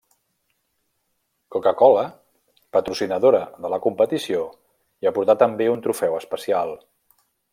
Coca-Cola, patrocinadora de la competició, hi aportà també un trofeu especial.